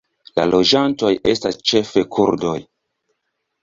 La loĝantoj estas ĉefe kurdoj.